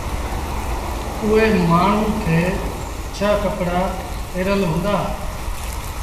اُئي مآڻهوٚٚݩ کي اڇآ ڪپڙآ پهرل هُݩدآ